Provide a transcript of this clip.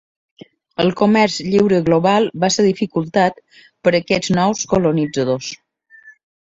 El comerç lliure global va ser dificultat per aquests nous colonitzadors.